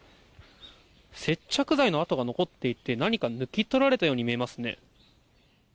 接着剤の跡が残っていて何か抜き取られたように見えますね。